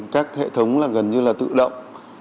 các hệ thống gần như tự động